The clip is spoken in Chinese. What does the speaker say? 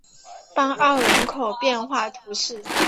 邦奥人口变化图示